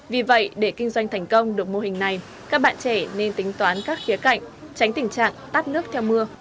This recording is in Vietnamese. vì vậy để kinh doanh thành công được mô hình này các bạn trẻ nên tính toán các khía cạnh tránh tình trạng tắt nước theo mưa